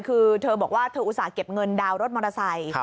คือเธอบอกว่าเธออุตส่าห์เก็บเงินดาวนรถมอเตอร์ไซค์